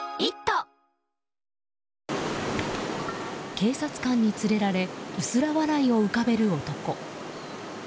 警察官に連れられ薄ら笑いを浮かべる男。